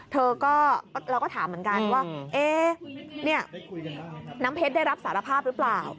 เราก็ถามเหมือนกันว่าน้ำเพชรได้รับสารภาพหรือเปล่า